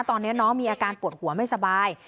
ตอนนี้น้องมีอาการปวดหัวไม่สบาย